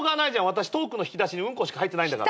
私トークの引き出しにうんこしか入ってないんだから。